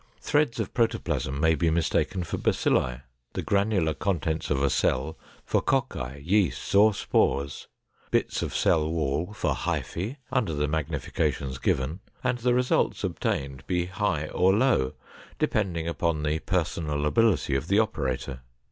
Threads of protoplasm may be mistaken for bacilli; the granular contents of a cell for cocci, yeasts, or spores; bits of cell wall for hyphae under the magnifications given, and the results obtained be high or low, depending upon the personal ability of the operator.